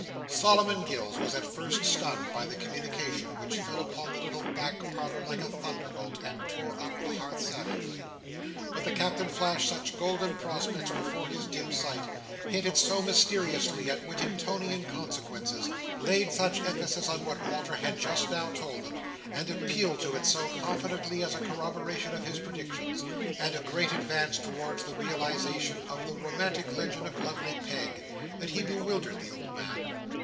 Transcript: Solomon Gills was at first stunned by the communication, which fell upon the little back parlour like a thunderbolt, and tore up the hearth savagely. But the Captain flashed such golden prospects before his dim sight: hinted so mysteriously at Whittingtonian consequences; laid such emphasis on what Walter had just now told them: and appealed to it so confidently as a corroboration of his predictions, and a great advance towards the realisation of the romantic legend of Lovely Peg: that he bewildered the old man.